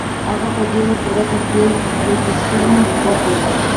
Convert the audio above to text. هغه په ډېر تروه تندي ترې يوه پوښتنه وکړه.